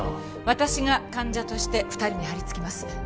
私が患者として２人に張りつきます。